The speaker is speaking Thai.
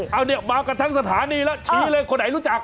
เอ้าเงี่ยมากับแต่สถานีก็เรียบร้อยนะโดยตามเลย่คนไหนรู้จัก